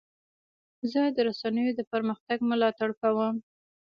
زه د رسنیو د پرمختګ ملاتړ کوم.